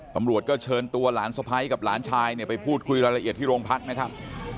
ตำรวจก็เชิญตัวหลานสะพ้ายกับหลานชายเนี่ยไปพูดคุยรายละเอียดที่โรงพักนะครับ